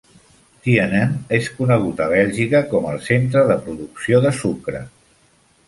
Tienen és conegut a Bèlgica com el centre de producció de sucre.